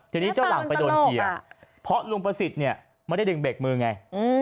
ทีนี้เจ้าหลังไปโดนเกียร์เพราะลุงประสิทธิ์เนี่ยไม่ได้ดึงเบรกมือไง